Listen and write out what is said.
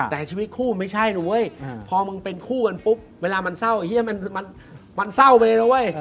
แต่ชีวิตคู่ไม่ใช่พอเป็นคู่กันปุ๊บเวลามันเศร้าไปเลย